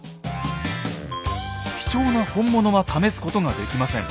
貴重な本物は試すことができません。